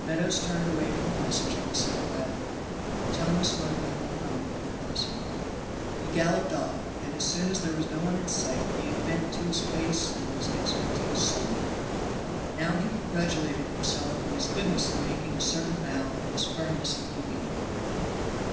Meadows turned away from the messenger, and said quietly, "Tell Miss Merton I will come, if possible." He then galloped off, and as soon as there was no one in sight gave vent to his face and his exulting soul. Now he congratulated himself on his goodness in making a certain vow and his firmness in keeping it.